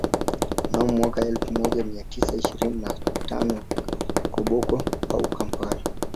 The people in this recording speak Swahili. Mnamo mwaka elfu moja mia tisa ishirini na tano Koboko au Kampala